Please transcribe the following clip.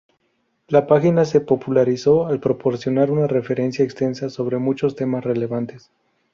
La página se popularizó al proporcionar una referencia extensa sobre muchos temas relevantes.